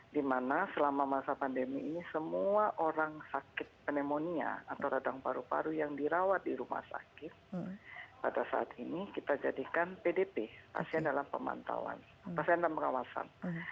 dimana selama masa pandemi ini semua orang sakit pneumonia atau radang paru paru yang dirawat di rumah sakit pada saat ini kita jadikan pdp pasien dalam pemantauan pasien dalam pengawasan